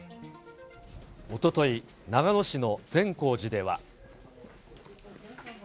おととい、長野市の善光寺では。